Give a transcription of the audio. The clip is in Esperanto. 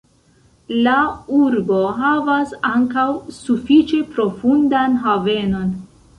La urbo havas ankaŭ sufiĉe profundan havenon.